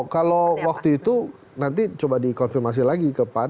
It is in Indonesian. kalau waktu itu nanti coba dikonfirmasi lagi